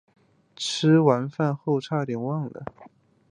吃完饭后差点忘了